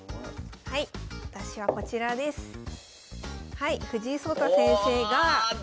はい藤井聡太先生が。